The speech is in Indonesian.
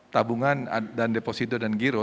tabungan dan deposito dan giro